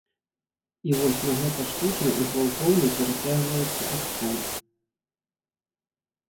І вось на гэта штучна і гвалтоўна перацягваецца акцэнт.